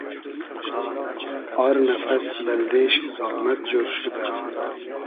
آر نئفئس بئلدې شی زامئد جۉر شودۂ